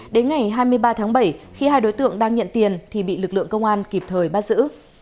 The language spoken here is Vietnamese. đến ngày hai mươi ba tháng bảy khi hai đối tượng đang nhận tiền thì bị lực lượng công an kịp thời bắt giữ